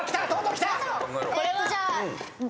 えっとじゃあ。